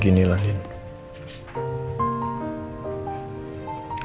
aku mau berbicara sama kamu